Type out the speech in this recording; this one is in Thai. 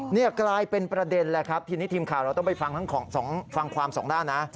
นี่กลายเป็นประเด็นแล้วครับทีนี้ทีมข่าวเราต้องไปฟังทั้งสองฟังความสองด้านนะ